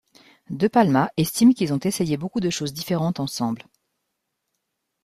De Palma estime qu'ils ont essayé beaucoup de choses différentes ensemble.